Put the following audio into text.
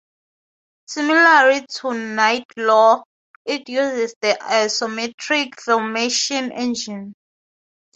Similarly to "Knight Lore" it uses the isometric Filmation engine.